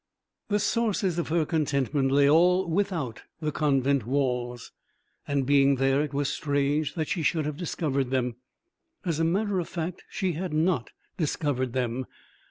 The sources of her contentment lay all without the convent walls; and being there, it was strange that she should have discovered them. As a matter of fact she had not discovered them.